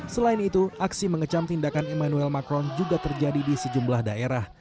selain itu aksi mengecam tindakan emmanuel macron juga terjadi di sejumlah daerah